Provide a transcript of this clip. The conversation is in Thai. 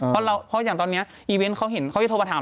เพราะอย่างตอนเนี่ยอีเวนต์เขาจะโทรไปถาม